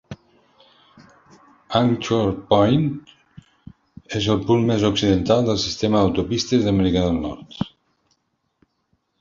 Anchor Point és el punt més occidental del sistema d"autopistes d"Amèrica del Nord.